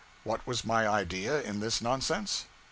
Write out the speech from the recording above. What was my idea in this nonsense?